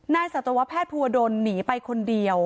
สัตวแพทย์ภูวดลหนีไปคนเดียว